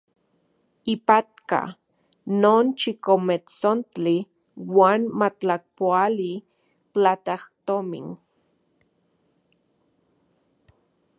Ipatka non chikometsontli uan matlakpoali platajtomin.